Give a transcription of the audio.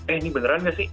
eh ini beneran nggak sih